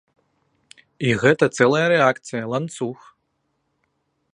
І гэта цэлая рэакцыя, ланцуг.